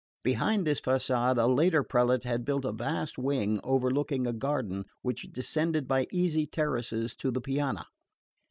Behind this facade a later prelate had built a vast wing overlooking a garden which descended by easy terraces to the Piana.